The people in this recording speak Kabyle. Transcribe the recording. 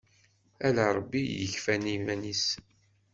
Ala Ṛebbi i yekfan iman-is.